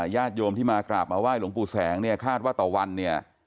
ญาติโยมที่มากราบมาไหว้หลวงปู่แสงเนี่ยคาดว่าต่อวันเนี่ย